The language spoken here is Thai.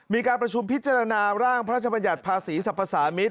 มีการประชุมพิจารณาร่างพระราชบัญญัติภาษีสรรพสามิตร